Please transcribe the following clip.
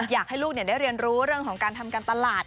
อยากให้ลูกได้เรียนรู้เรื่องของการทำการตลาด